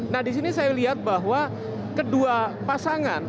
nah disini saya lihat bahwa kedua pasangan